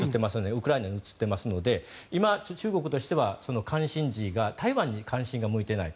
ウクライナのほうに移っていますので今、中国としては関心事が台湾に関心が向いていない。